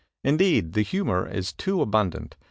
Indeed, the himior is too abimdant.